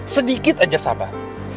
sedikit aja sabar